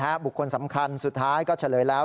อ่านั่นฮะบุคคลสำคัญสุดท้ายก็เฉลยแล้ว